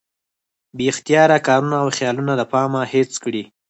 بې اختياره کارونه او خيالونه د پامه هېڅ کړي